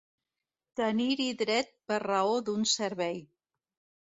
Tenir-hi dret per raó d'un servei.